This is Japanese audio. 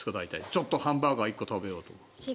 ちょっとハンバーガー１個食べようと思ったら。